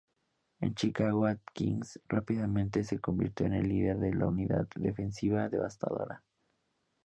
En Chicago Atkins rápidamente se convirtió en el líder de una unidad defensiva devastadora.